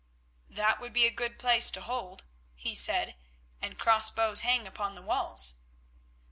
"That would be a good place to hold," he said; "and crossbows hang upon the walls."